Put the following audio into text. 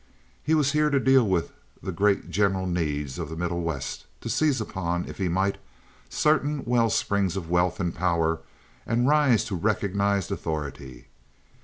He was here to deal with the great general needs of the Middle West—to seize upon, if he might, certain well springs of wealth and power and rise to recognized authority.